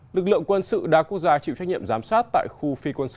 lực lượng quân sự đa quốc gia chịu trách nhiệm giám sát tại khu phi quân sự